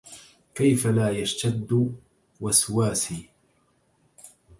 كيف لا يشتد وسواسي